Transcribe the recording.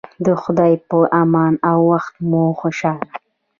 د خدای په امان او وخت مو خوشحاله